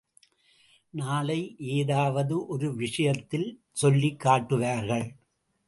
நாளை ஏதாவது ஒரு விஷயத்தில் சொல்லிக் காட்டுவார்கள்.